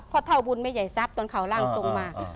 เพราะเท่าบุญไม่ใหญ่ทรัพย์ตอนเขาร่างทรงมา